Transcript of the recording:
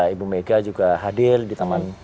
ibu mega juga hadir di taman